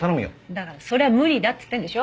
だからそれは無理だっつってんでしょ。